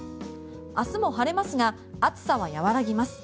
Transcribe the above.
明日も晴れますが暑さは和らぎます。